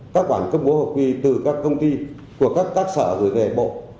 nó dẫn đến một ngàn các sản phẩm